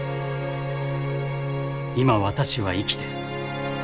今私は生きてる。